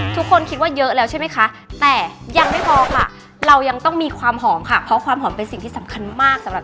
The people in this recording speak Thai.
ทุกคนคิดว่าเยอะแล้วใช่ไหมคะ